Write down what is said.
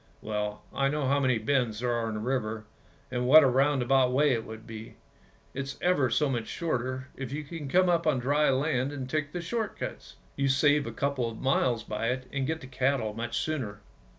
Well, I know how many bends there are in the river and what a roundabout way it would be. It's ever so much shorter if you can come up on dry land and take the short cuts, you save a couple of miles by it, and get the cattle much sooner.